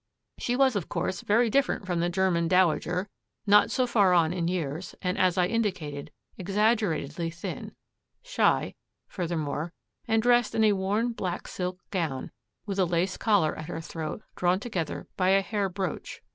She was, of course, very different from the German dowager; not so far on in years, and, as I indicated, exaggeratedly thin; shy, furthermore, and dressed in a worn black silk gown, with a lace collar at her throat drawn together by a hair brooch.